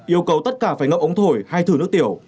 yêu cầu tất cả phải ngậm ống thổi hay thử nước tiểu